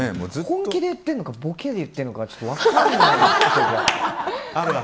本気で言ってるのかボケで言ってるのか分からないことが。